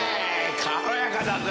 軽やかだぜ！